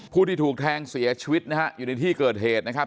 ผู้ที่ถูกแทงเสียชีวิตนะฮะอยู่ในที่เกิดเหตุนะครับ